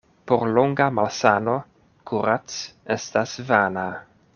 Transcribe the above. Por longa malsano kurac' estas vana.